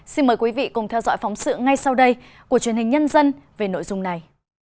xin mời quý vị cùng theo dõi phóng sự ngay sau đây của truyền hình nhân dân về nội dung này